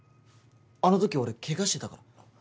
あの時俺ケガしてたから。